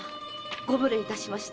ご無礼いたしました。